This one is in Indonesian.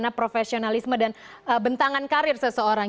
bagaimana profesionalisme dan bentangan karir seseorang